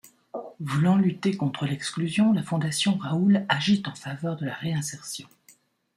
Voulant lutter contre l'exclusion, la Fondation Raoul agit en faveur de la réinsertion.